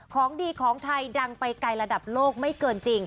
ของดีของไทยดังไปไกลระดับโลกไม่เกินจริง